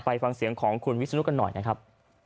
ฟังเสียงของคุณวิศนุกันหน่อยนะครับ